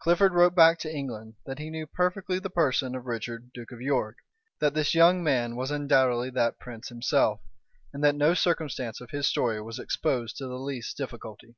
Clifford wrote back to England, that he knew perfectly the person of Richard, duke of York, that this young man was undoubtedly that prince himself, and that no circumstance of his story was exposed to the least difficulty.